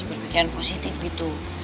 berpikiran positif gitu